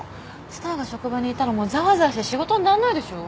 スターが職場にいたらもうざわざわして仕事になんないでしょ？